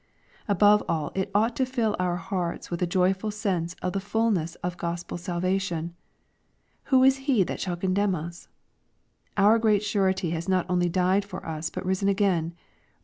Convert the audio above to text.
— Above all it ought to fill our hearts with a joyful sense of the fulness of Gospel sal vation. Who is he that shall condemn us ? Our Great Surety has not only died for us but risen again. (Rom.